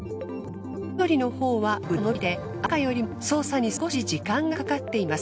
緑のほうは腕が伸びて赤よりも操作に少し時間がかかっています。